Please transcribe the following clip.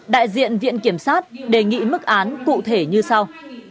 đại diện viện kiểm sát đề nghị mức án cụ thể như sau